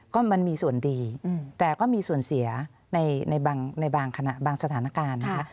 ก็มันมีส่วนดีแต่ก็มีส่วนเสียในบางขณะบางสถานการณ์นะคะ